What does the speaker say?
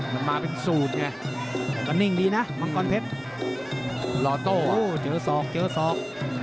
เจอศอกเจอศอก